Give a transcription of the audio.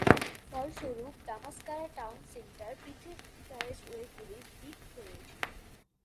ফলস্বরূপ, দামাস্কারা town centre পৃথক ক্যারেজওয়েগুলির "দ্বীপ" হয়ে ওঠে।